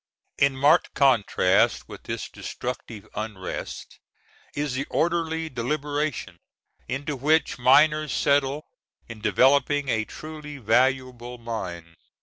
In marked contrast with this destructive unrest is the orderly deliberation into which miners settle in developing a truly valuable mine.